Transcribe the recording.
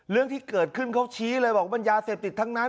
เรื่องที่เกิดขึ้นเขาชี้เลยบอกว่ามันยาเสพติดทั้งนั้น